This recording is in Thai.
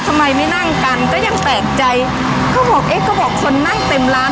ทำไมไม่นั่งกันก็ยังแปลกใจเขาบอกเอ๊ะเขาบอกคนนั่งเต็มร้าน